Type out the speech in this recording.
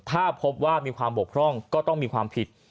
ถ้าพบว่ามีความบกพร่องก็ต้องมีความผิด